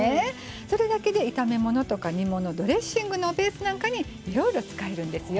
それだけで炒め物とか煮物、ドレッシングのベースなんかにいろいろ使えるんですよ。